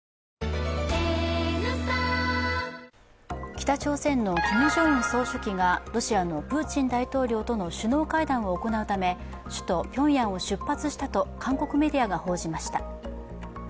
北朝鮮のキム・ジョンウン総書記がロシアのプーチン大統領との首脳会談を行うため、首都ピョンヤンを出発したと韓国メディアが報じました。